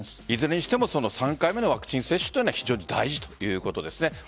いずれにしても３回目のワクチン接種は非常に大事ということですね。